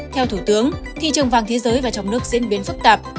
theo thủ tướng thị trường vàng thế giới và trong nước diễn biến phức tạp